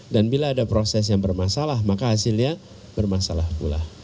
dan bila ada proses yang bermasalah maka hasilnya bermasalah pula